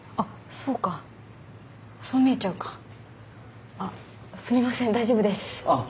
そうかそう見えちゃうかあっすみません大丈夫ですあっ